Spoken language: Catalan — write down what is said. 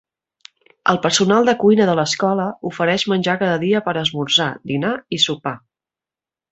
El personal de cuina de l'escola ofereix menjar cada dia per esmorzar, dinar i sopar.